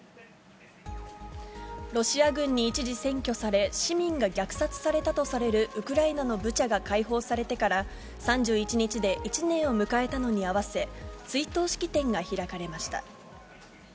ロシア軍に一時占拠され、市民が虐殺されたとされるウクライナのブチャが解放されてから、３１日で１年を迎えたのに合わせ、追悼式典が開かれました。